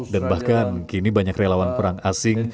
dan bahkan kini banyak relawan perang asing